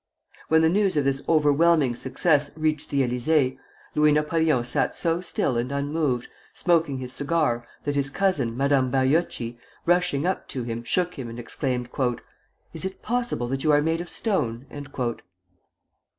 When the news of this overwhelming success reached the Élysée, Louis Napoleon sat so still and unmoved, smoking his cigar, that his cousin, Madame Baiocchi, rushing up to him, shook him, and exclaimed: "Is it possible that you are made of stone?"